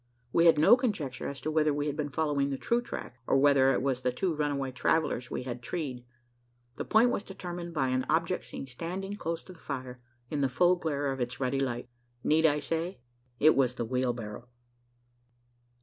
We had no conjecture as to whether we had been following the true track, or whether it was the two runaway travellers we had treed. The point was determined by an object seen standing close to the fire, in the full glare of its ruddy light. Need I say it was the wheelbarrow?